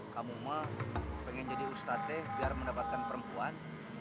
kamu mah pengen jadi ustadz deh biar mendapatkan perempuan